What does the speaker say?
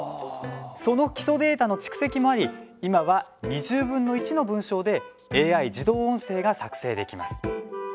その基礎データの蓄積もあり今は２０分の１の文章でＡＩ自動音声が作成できます。